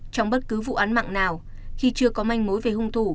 trong bất cứ vụ án mạng nào khi chưa có manh mối về hung thủ